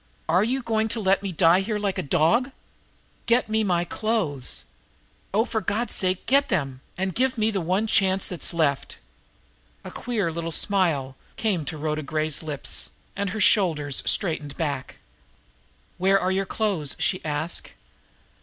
Are you going to let me die here like a dog? Get me my clothes; oh, for God's sake, get them, and give me the one chance that's left!" A queer little smile came to Rhoda Gray's lips, and her shoulders straightened back. "Where are your clothes?" she asked.